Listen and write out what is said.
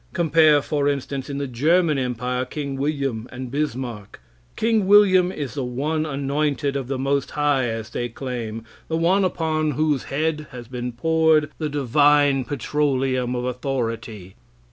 Compare, for instance, in the German Empire, King William and Bismarck. King William is the one anointed of the most high, as they claim the one upon whose head has been poured the divine petroleum of authority.